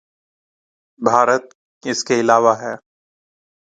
بھارت اس کے علاوہ ہے۔